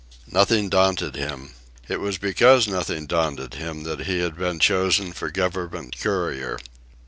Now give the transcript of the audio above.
Nothing daunted him. It was because nothing daunted him that he had been chosen for government courier.